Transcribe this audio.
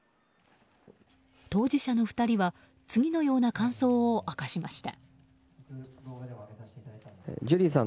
当事者の２人は次のような感想を明かしました。